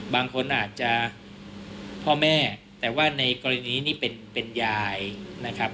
บางคนอาจจะพ่อแม่แต่ว่าในกรณีนี้เป็นยายนะครับ